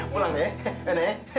pulang nek nenek